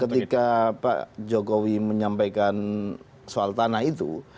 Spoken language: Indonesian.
ketika pak jokowi menyampaikan soal tanah itu